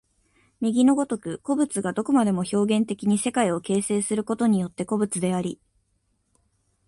右の如く個物がどこまでも表現的に世界を形成することによって個物であり、